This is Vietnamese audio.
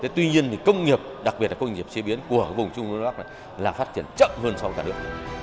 tuy nhiên công nghiệp đặc biệt là công nghiệp chế biến của vùng trung đô bắc là phát triển chậm hơn so với cả nước